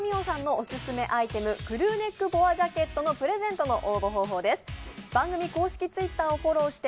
オススメアイテム、クルーネックボアジャケットのプレゼントの応募方法です。